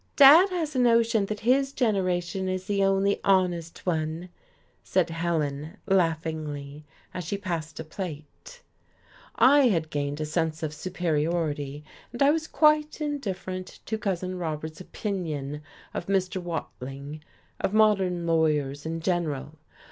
"Dad has a notion that his generation is the only honest one," said Helen, laughingly, as she passed a plate. I had gained a sense of superiority, and I was quite indifferent to Cousin Robert's opinion of Mr. Watling, of modern lawyers in general.